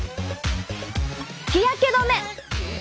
日焼け止め！